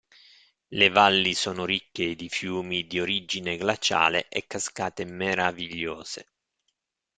Le valli sono ricche di fiumi di origine glaciale e cascate meravigliose.